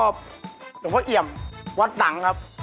หลวงพ่อเอ่ยำวัดดังครับ